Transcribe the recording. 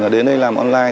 đến đây làm online